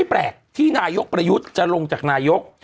แปลกที่นายกประยุทธ์จะลงจากนายก